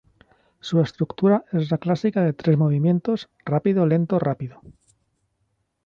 Su estructura es la clásica de tres movimientos rápido-lento-rápido.